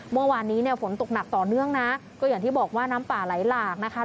เมื่อวานนี้เนี่ยฝนตกหนักต่อเนื่องนะก็อย่างที่บอกว่าน้ำป่าไหลหลากนะคะ